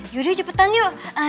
yaudah cepetan yuk